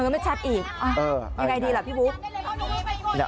ไม่ชัดอีกยังไงดีล่ะพี่บุ๊ค